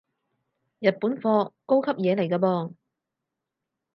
日本貨，高級嘢嚟個噃